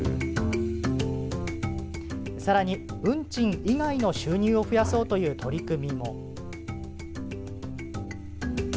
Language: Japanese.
さらに運賃以外の収入を増やそうという取り組みも。